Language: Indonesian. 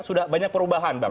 sudah banyak perubahan bang